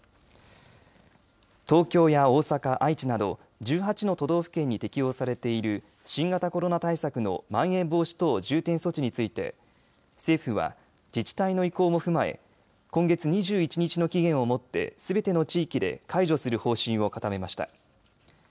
東京や大阪、愛知など１８の都道府県に適用されている新型コロナ対策のまん延防止等重点措置について政府は自治体の意向も踏まえ今月２１日の期限をもってすべての地域で解除する方針を固めました。